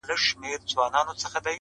ډېر مي د اورنګ او خوشحال خان-